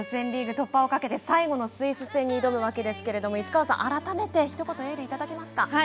リーグ突破をかけて最後のスイス戦に挑むわけですが市川さん改めて一言エールいただけますか。